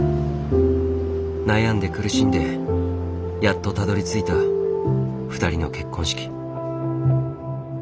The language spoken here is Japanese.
悩んで苦しんでやっとたどりついた２人の結婚式。